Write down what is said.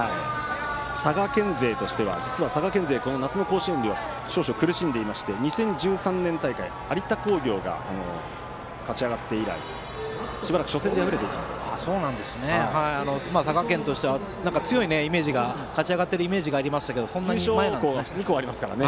佐賀県勢は実はこの夏の甲子園では少々、苦しんでいまして２０１３年大会で有田工業が勝ち上がって以来しばらく佐賀県としては強いイメージが勝ち上がっているイメージがありましたけどそんなに前なんですね。